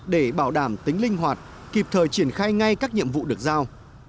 để bảo đảm tính linh hoạt kịp thời triển khai ngay các nhiệm vụ được giao